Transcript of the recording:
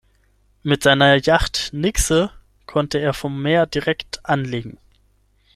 Mit seiner Yacht "Nixe" konnte er vom Meer direkt anlegen.